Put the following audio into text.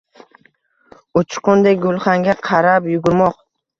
Uchqundek gulxanga qarab yugurmoq.